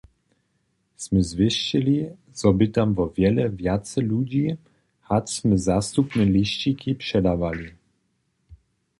Smy zwěsćili, zo bě tam wo wjele wjace ludźi hač smy zastupne lisćiki předawali.